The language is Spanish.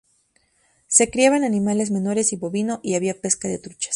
Se criaban animales menores y bovino, y había pesca de truchas.